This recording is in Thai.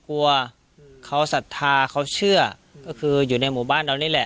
กลัวเขาศรัทธาเขาเชื่อก็คืออยู่ในหมู่บ้านเรานี่แหละ